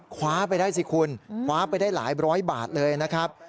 คว้าไปได้สิคุณคว้าไปได้หลายร้อยบาทเลยนะครับ